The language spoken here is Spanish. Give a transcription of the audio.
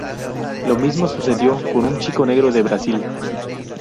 Lo mismo sucedió con un chico negro de Brasil.